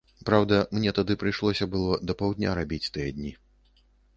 Праўда, мне тады прыйшлося было да паўдня рабіць тыя дні.